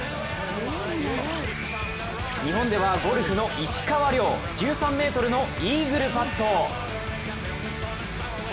日本ではゴルフの石川遼１３ｍのイーグルパット！